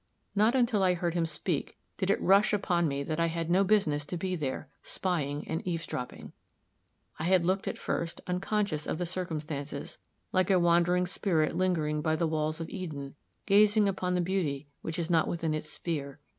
Not until I heard him speak, did it rush upon me that I had no business to be there, spying and eavesdropping. I had looked at first, unconscious of the circumstances, like a wandering spirit lingering by the walls of Eden, gazing upon the beauty which is not within its sphere.